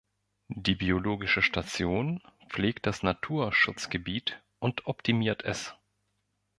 Die biologische Station pflegt das Naturschutzgebiet und optimiert es.